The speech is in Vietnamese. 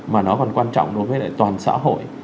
mà nó còn quan trọng đối với lại toàn xã hội